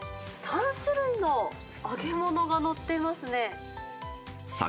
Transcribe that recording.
３種類の揚げ物が載ってますさ